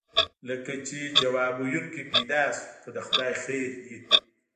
لکه چې ځواب ویونکی پیدا شو، که د خدای خیر وي.